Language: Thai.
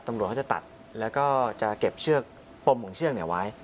ตำรวจเขาจะตัดแล้วก็จะเก็บเชือกปมของเชือกไว้